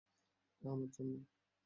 এটা আমার জন্য?